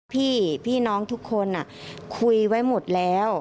พี่น้องทุกคนคุยไว้หมดแล้ว